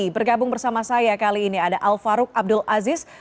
bergabung bersama saya kali ini ada al farouk abdul aziz